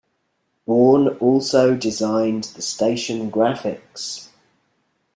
Born also designed the station graphics.